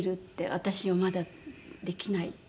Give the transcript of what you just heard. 私はまだできない」って。